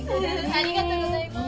ありがとうございます。